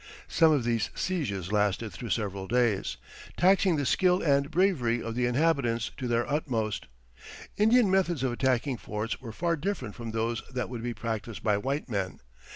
Some of these sieges lasted through several days, taxing the skill and bravery of the inhabitants to their utmost. Indian methods of attacking forts were far different from those that would be practised by white men.